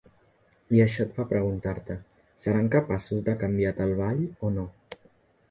I això et fa preguntar-te: seran capaços de canviat el ball o no?